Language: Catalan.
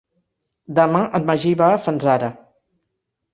Demà en Magí va a Fanzara.